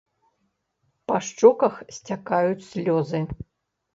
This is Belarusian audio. Па шчоках сцякаюць слёзы.